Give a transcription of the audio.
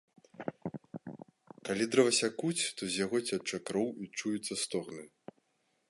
Калі дрэва сякуць, то з яго цячэ кроў і чуюцца стогны.